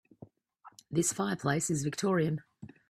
This fireplace is victorian.